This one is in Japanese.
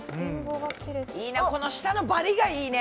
いいなこの下のバリッがいいね！